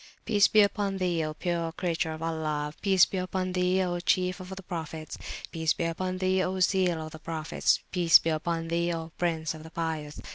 Peace be upon Thee, O pure Creature of Allah! Peace be upon Thee, O Chief of Prophets ! Peace be upon Thee, O Seal of the Prophets! Peace be upon Thee, O Prince of the Pious!